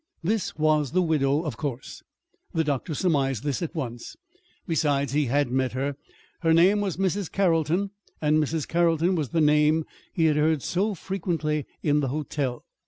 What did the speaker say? This was the widow, of course. The doctor surmised this at once. Besides, he had met her. Her name was Mrs. Carrolton, and Mrs. Carrolton was the name he had heard so frequently in the hotel.